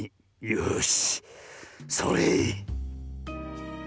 よしそれ！